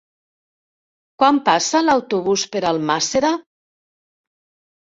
Quan passa l'autobús per Almàssera?